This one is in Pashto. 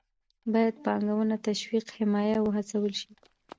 باید پانګونه تشویق، حمایه او وهڅول شي.